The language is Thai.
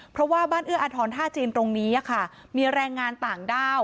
เพราะว่าบ้านเอื้ออาทรท่าจีนตรงนี้ค่ะมีแรงงานต่างด้าว